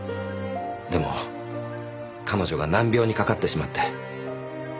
でも彼女が難病にかかってしまって。